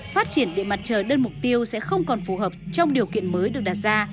phát triển điện mặt trời đơn mục tiêu sẽ không còn phù hợp trong điều kiện mới được đặt ra